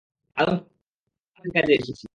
আদমশুমারির কাজে এসেছি।